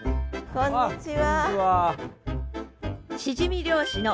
こんにちは。